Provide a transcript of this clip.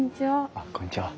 あっこんにちは。